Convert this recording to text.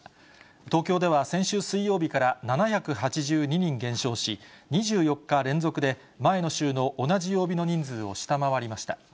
東京では先週水曜日から７８２人減少し、２４日連続で前の週の同じ曜日の人数を下回りました。